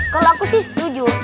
kalau aku sih setuju